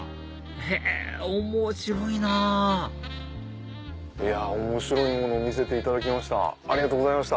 へぇ面白いなぁ面白いものを見せていただきありがとうございました。